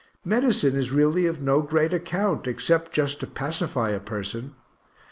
Medicine is really of no great account, except just to pacify a person.